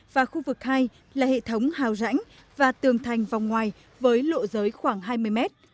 và khu vực hai là hệ thống hào rãnh và tường thành vòng ngoài với lộ giới khoảng hai mươi mét